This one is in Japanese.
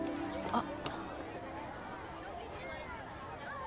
あっ。